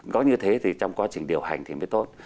có như thế thì trong quá trình điều hành thì mới tốt